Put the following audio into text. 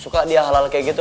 suka dia halal kayak gitu